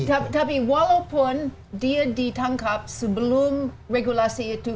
tapi walaupun dia ditangkap sebelum regulasi itu